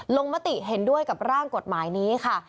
มติเห็นด้วยกับร่างกฎหมายนี้ค่ะ